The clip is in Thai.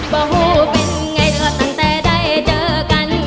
บ่หูเป็นไงเธอตั้งแต่ได้เจอกัน